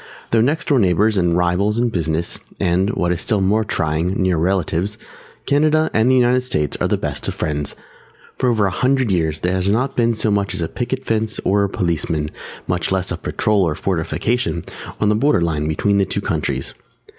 Though next door neighbours and rivals in business and, what is still more trying, near relatives, Canada and the United States are the best of friends. For over a hundred years there has not been so much as a picket fence or a policeman, much less a patrol or a fortification, on the border line between the two countries.